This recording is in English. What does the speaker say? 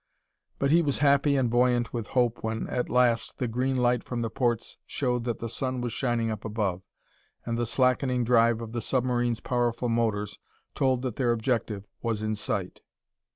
But he was happy and buoyant with hope when, at last, the green light from the ports showed that the sun was shining up above, and the slackening drive of the submarine's powerful motors told that their objective was in sight.